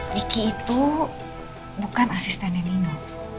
diki itu bukan asistennya nino